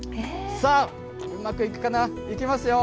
さあ、うまくいくかな、いきますよ。